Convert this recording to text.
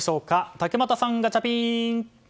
竹俣さん、ガチャピン！